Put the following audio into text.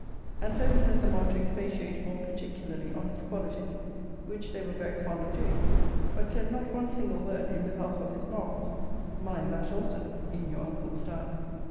And so he led them on to expatiate more particularly on his qualities; which they were very fond of doing: but said not one single word in behalf of his morals Mind that also, in your uncle's style.